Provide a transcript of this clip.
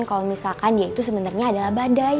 kalo misalkan dia itu sebenernya adalah badai